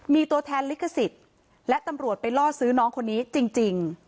มีตัวแทนลิขสิทธิ์และตำรวจไปล่อซื้อน้องคนนี้จริง